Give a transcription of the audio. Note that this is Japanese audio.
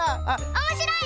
おもしろい！